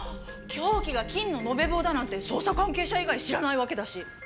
凶器が金の延べ棒だなんて捜査関係者以外知らないわけだし。